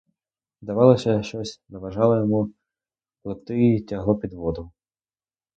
Здавалося, щось заважало йому пливти і тягло під воду.